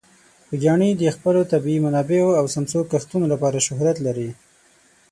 خوږیاڼي د خپلو طبیعي منابعو او سمسور کښتونو لپاره شهرت لري.